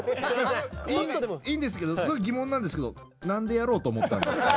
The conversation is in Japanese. いいんですけどすごく疑問なんですけど何でやろうと思ったんですか？